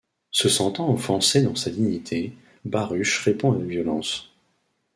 Se sentant offensé dans sa dignité, Baruch répond avec violence.